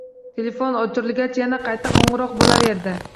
Telefon o'chirilgach yana qayta qo'ng'iroq bo'laverdi